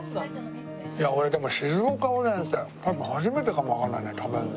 いや俺でも静岡おでんって多分初めてかもわかんないね食べるの。